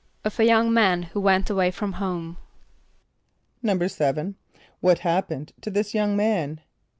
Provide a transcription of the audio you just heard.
=Of a young man who went away from home.= =7.= What happened to this young man?